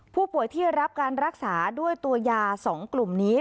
ผู้ป่วยที่รับการรักษาด้วยตัวยา๒กลุ่มนี้